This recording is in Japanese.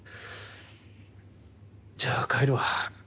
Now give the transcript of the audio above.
じゃあ帰るわ。